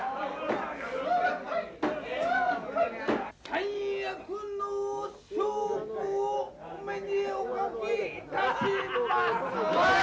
三役の証拠をお目におかけいたします！